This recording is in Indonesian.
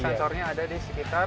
sensornya ada di sekitar